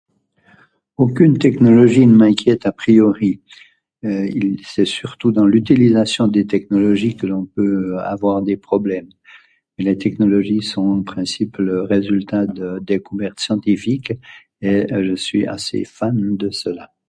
aucun technologie ne m,inquiète